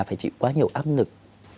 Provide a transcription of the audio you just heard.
phải chịu quá nhiều áp lực